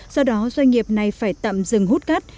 do đó doanh nghiệp này phải tạm dừng hút cát